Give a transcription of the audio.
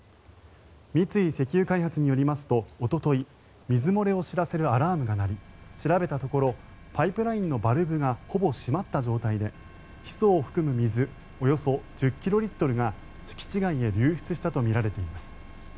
三井石油開発によりますとおととい水漏れを知らせるアラームが鳴り調べたところパイプラインのバルブがほぼ閉まった状態でヒ素を含む水およそ１０キロリットルが敷地外へ流出したとみられています。